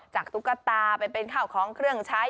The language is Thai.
ตุ๊กตาไปเป็นข้าวของเครื่องใช้